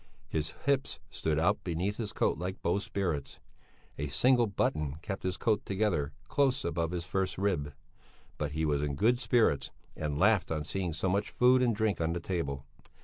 His hips stood out beneath his coat like bowsprits; a single button kept his coat together close above his first rib. But he was in good spirits and laughed on seeing so much food and drink on the table.